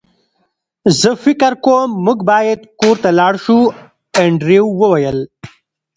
زه فکر کوم موږ باید کور ته لاړ شو انډریو وویل